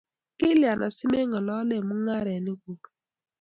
kilyan asimeng'alalen mung'arenik kuk?